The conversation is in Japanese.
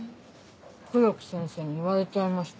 黒木先生に言われちゃいました。